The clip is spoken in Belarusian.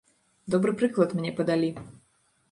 Добры прыклад мне падалі.